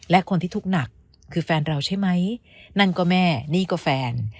และคนที่ทุกข์หนักคือแฟนเราใช่ไหมนั่นก็แม่นี่ก็แฟน